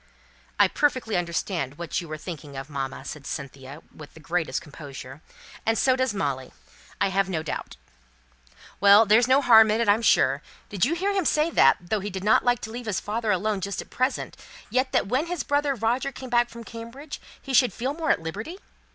"I perfectly understand what you were thinking of, mamma," said Cynthia, with the greatest composure; "and so does Molly, I have no doubt." "Well! there's no harm in it, I'm sure. Did you hear him say that, though he did not like to leave his father alone just at present, yet that when his brother Roger came back from Cambridge, he should feel more at liberty!